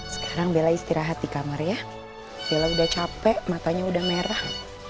sekarang bela istirahat di kamar ya bella udah capek matanya udah merah